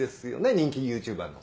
人気ＹｏｕＴｕｂｅｒの。